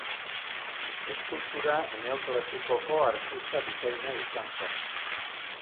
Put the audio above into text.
Eskultura neoklasikoko artista bikaina izan zen.